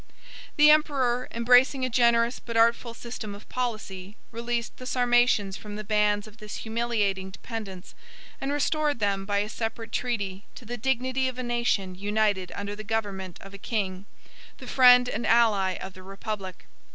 The emperor, embracing a generous but artful system of policy, released the Sarmatians from the bands of this humiliating dependence, and restored them, by a separate treaty, to the dignity of a nation united under the government of a king, the friend and ally of the republic.